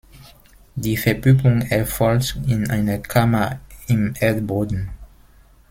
Die Verpuppung erfolgt in einer Kammer im Erdboden.